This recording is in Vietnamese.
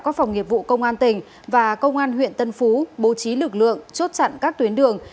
các phòng nghiệp vụ công an tỉnh và công an huyện tân phú bố trí lực lượng chốt chặn các tuyến đường